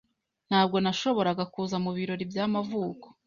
Ntabwo nashoboraga kuza mubirori byamavuko.